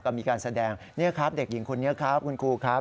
ก็มีการแสดงนี่ครับเด็กหญิงคนนี้ครับคุณครูครับ